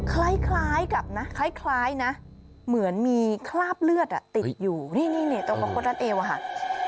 คล้ายคล้ายกับนะคล้ายคล้ายนะเหมือนมีคราบเลือดอ่ะติดอยู่นี่นี่นี่ตรงประคดรัฐเอวอ่ะค่ะ